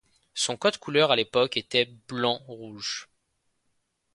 Son code couleur à l’époque était Blanc-Rouge.